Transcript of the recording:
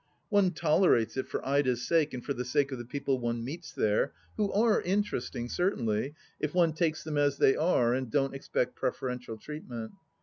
One tolerates it for Ida's sake and for the sake of the people one meets there, who are interesting, certainly, if one takes them as they are, and don't expect preferential treatment.